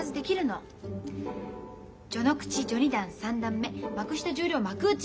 序ノ口序二段三段目幕下十両幕内。